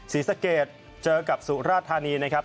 ศรีสะเกดเจอกับสุราธานีนะครับ